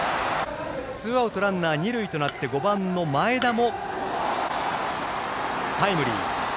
ツーアウトランナー二塁となって５番の前田もタイムリー。